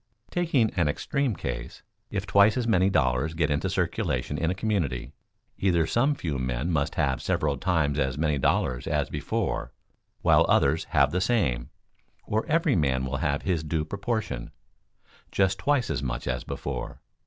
Taking an extreme case: if twice as many dollars get into circulation in a community, either some few men must have several times as many dollars as before, while others have the same; or every man will have his due proportion, just twice as much as before.